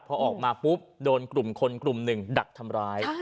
พอออกมาปุ๊บโดนกลุ่มคนกลุ่มหนึ่งดักทำร้าย